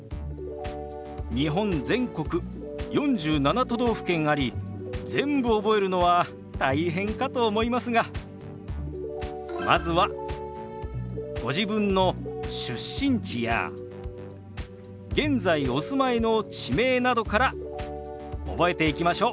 日本全国４７都道府県あり全部覚えるのは大変かと思いますがまずはご自分の出身地や現在お住まいの地名などから覚えていきましょう。